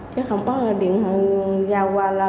chứ không có điện thoại giao qua lo lại